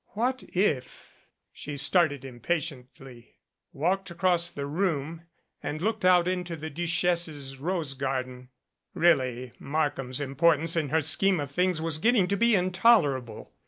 What if She started impatiently, walked across the room and looked out into the Duchesse's rose garden. Really, Markham's importance in her scheme of things was getting to be intolerable.